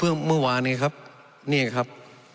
รูปเมื่อวานเองครับนี่เองครับ